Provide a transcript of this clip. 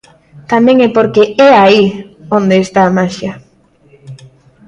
Tamén é porque é aí onde está a maxia.